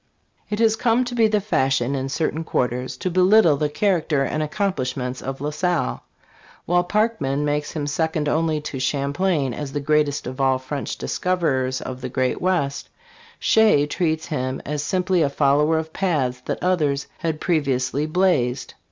IT HAS come to be the fashion in certain quarters to belittle the character and accomplishments of La Salle. While Parkman makes him second only to Champlain as the greatest of all French discoverers of the great west, Shea treats him as simply a follower of paths that others had previously blazed.